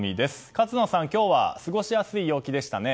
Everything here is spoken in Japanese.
勝野さん、今日は過ごしやすい陽気でしたね。